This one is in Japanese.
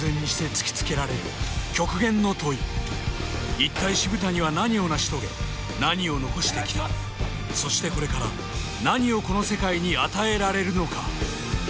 一体渋谷は何を成し遂げ何を残してきたのかそしてこれから何をこの世界に与えられるのか？